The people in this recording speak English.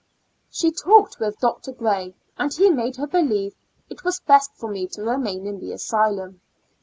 She talked with Dr. Gray, and he made her believe it was best for me to remain in the asylum.